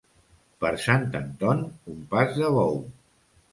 Per Sant Anton, un pas de bou.